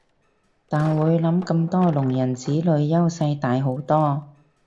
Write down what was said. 但會諗咁多聾人子女優勢大好多